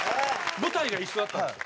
舞台が一緒だったんですよ。